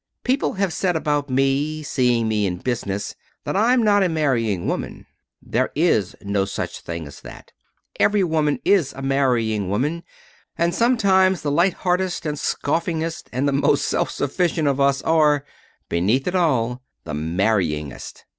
People have said about me, seeing me in business, that I'm not a marrying woman. There is no such thing as that. Every woman is a marrying woman, and sometimes the light heartedest, and the scoffingest, and the most self sufficient of us are, beneath it all, the marryingest.